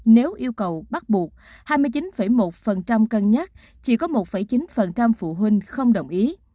nếu yêu cầu bắt buộc hai mươi chín một cân nhắc chỉ có một chín phụ huynh không đồng ý